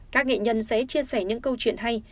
các nghệ nhân sẽ chia sẻ những câu chuyện hay